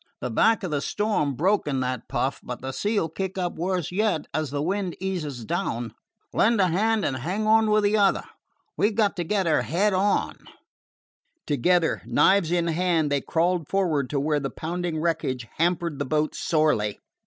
The back of the storm broke in that puff, but the sea 'll kick up worse yet as the wind eases down. Lend a hand and hang on with the other. We 've got to get her head on." Together, knives in hand, they crawled forward to where the pounding wreckage hampered the boat sorely.